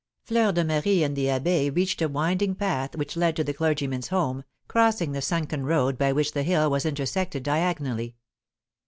Fleur de Marie and the abbé reached a winding path which led to the clergyman's home, crossing the sunken road by which the hill was intersected diagonally.